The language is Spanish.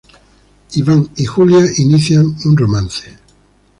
Iván y Julia inician un romance.